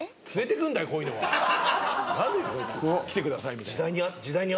来てくださいみたいな。